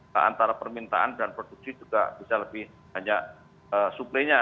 dan antara permintaan dan produksi juga bisa lebih banyak suplenya